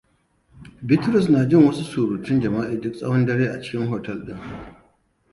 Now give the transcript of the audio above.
Bitrus na jin wasu surutan jima'i duk tsahon dare cikin hotel ɗin.